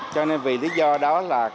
cho nên vì lý do đó là